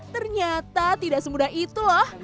ternyata tidak semudah itu loh